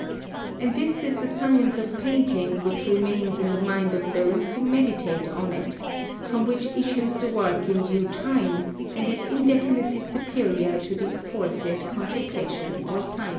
And this is the science of painting which remains in the mind of those who meditate on it, from which issues the work in due time, and is infinitely superior to the aforesaid contemplation or science.